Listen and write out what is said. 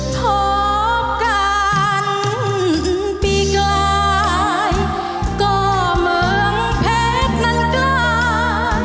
พบกันปีกลายก็เมืองเพชรนั้นกล้า